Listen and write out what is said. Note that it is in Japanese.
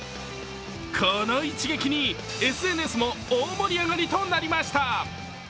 この一撃にＳＮＳも大盛り上がりとなりました。